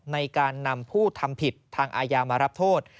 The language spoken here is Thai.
ในการนำผู้ทำผิดทางอาญามารับโทษ